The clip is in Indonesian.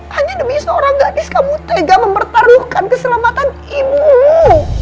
hanya demi seorang gadis kamu tega mempertaruhkan keselamatan ibu